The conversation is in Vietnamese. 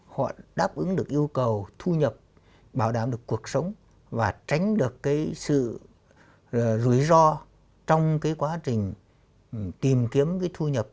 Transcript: họ đáp ứng được yêu cầu thu nhập bảo đảm được cuộc sống và tránh được sự rủi ro trong quá trình tìm kiếm thu nhập